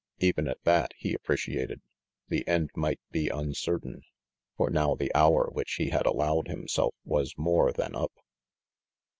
Even at that, he appreciated, the end might be uncertain, for now the hour which he had allowed himself was more than up.